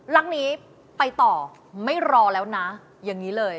หลังนี้ไปต่อไม่รอแล้วนะอย่างนี้เลย